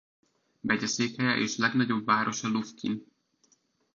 Megyeszékhelye és legnagyobb városa Lufkin.